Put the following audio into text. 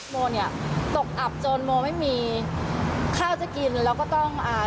โมเนี่ยตกอับจนโมไม่มีข้าวจะกินแล้วก็ต้องอ่า